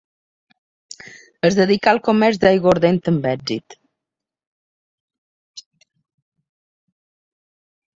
Es dedicà al comerç d'aiguardent amb èxit.